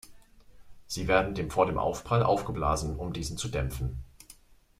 Sie werden vor dem Aufprall aufgeblasen, um diesen zu dämpfen.